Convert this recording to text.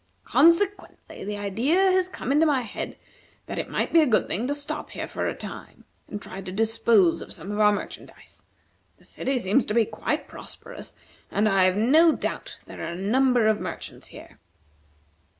Consequently the idea has come into my head, that it might be a good thing to stop here for a time, and try to dispose of some of our merchandise. The city seems to be quite prosperous, and I have no doubt there are a number of merchants here."